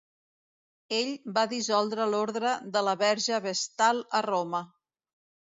Ell va dissoldre l'ordre de la Verge Vestal a Roma.